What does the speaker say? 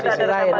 tapi di sisi lain